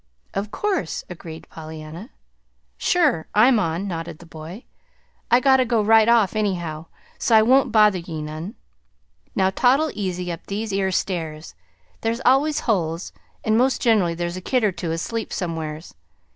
"Of course!" agreed Pollyanna. "Sure! I'm on," nodded the boy. "I gotta go right off anyhow, so I won't bother ye none. Now toddle easy up these 'ere stairs. There's always holes, and most generally there's a kid or two asleep somewheres.